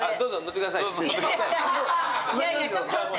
いやいやちょっと待って。